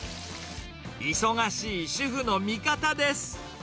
忙しい主婦の味方です。